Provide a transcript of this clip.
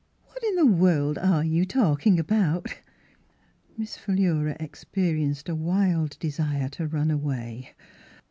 " What in the world are you talking about ?" Miss Philura experienced a wild desire to run away.